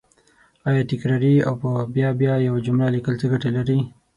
آیا تکراري او په بیا بیا یوه جمله لیکل څه ګټه لري